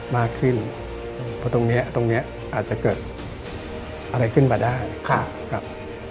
มากขึ้นเพราะตรงเนี้ยตรงเนี้ยอาจจะเกิดอะไรขึ้นมาได้ครับ